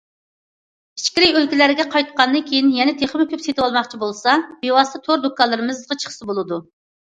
ئىچكىرى ئۆلكىلەرگە قايتقاندىن كېيىن يەنە تېخىمۇ كۆپ سېتىۋالماقچى بولسا، بىۋاسىتە تور دۇكانلىرىمىزغا چىقسا بولىدۇ.